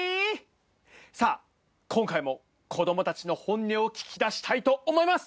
さあ、今回も子どもたちの本音を聞きだしたいと思います。